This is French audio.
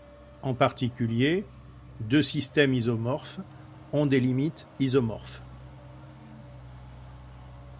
En particulier, deux systèmes isomorphes ont des limites isomorphes.